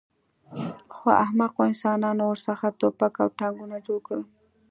خو احمقو انسانانو ورڅخه ټوپک او ټانکونه جوړ کړل